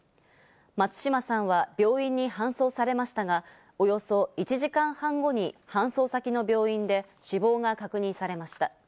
松島さんは病院に搬送されましたが、およそ１時間半後に搬送先の病院で死亡が確認されました。